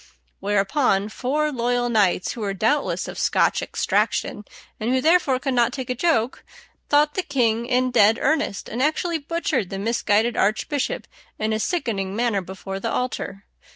Whereupon four loyal knights, who were doubtless of Scotch extraction, and who therefore could not take a joke, thought the king in dead earnest, and actually butchered the misguided archbishop in a sickening manner before the altar.